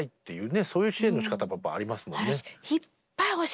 そういう支援のしかたもありますもんね。